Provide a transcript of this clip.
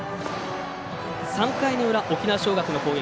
３回の裏、沖縄尚学の攻撃。